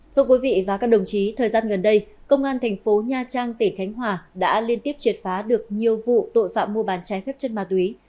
thưa quý vị và các đồng chí thời gian gần đây công an thành phố nha trang tỉnh khánh hòa đã liên tiếp triệt phá được nhiều vụ tội phạm mua bán trái phép chân ma túy